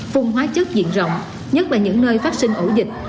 phung hóa chất diện rộng nhất là những nơi phát sinh ổ dịch